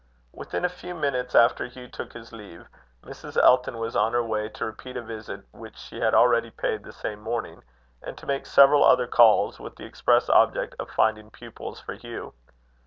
Within a few minutes after Hugh took his leave, Mrs. Elton was on her way to repeat a visit she had already paid the same morning, and to make several other calls, with the express object of finding pupils for Hugh.